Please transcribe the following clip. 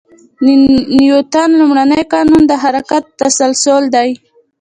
د نیوتن لومړی قانون د حرکت تسلسل دی.